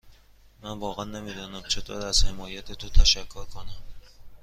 من واقعا نمی دانم چطور از حمایت تو تشکر کنم.